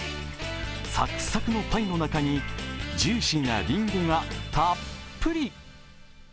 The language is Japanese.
サックサクのパイの中にジューシーなりんごがたっぷり。